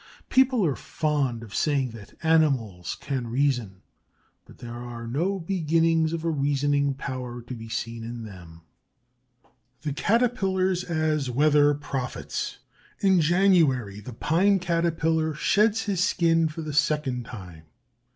People are fond of saying that animals can reason, but there are no beginnings of a reasoning power to be seen in them. THE CATERPILLARS AS WEATHER PROPHETS In January the Pine Caterpillar sheds his skin for the second time.